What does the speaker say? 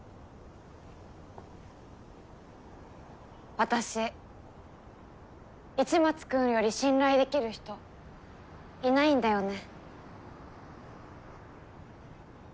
私市松君より信頼できる人いないんだよね。